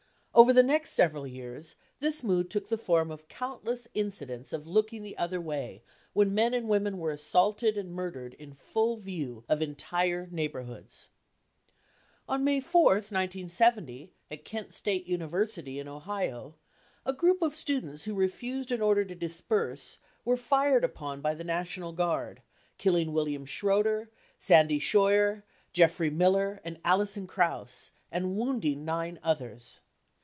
Over the next several years, this mood took the form of countless incidents of looking the other way when men and women were assaulted and murdered in full view of entire neighborhoods. On May 4, 1970, at Kent State University in Ohio, a group of students who refused an order to disperse were fired upon by the National Guard, killing William Schroeder, Sandy Scheuer, Jef frey Miller, and Allison Krause, and wounding nine others.